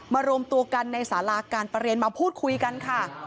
รวมตัวกันในสาราการประเรียนมาพูดคุยกันค่ะ